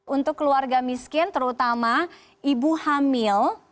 untuk keluarga miskin terutama ibu hamil